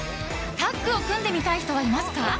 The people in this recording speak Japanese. タッグを組んでみたい人はいますか？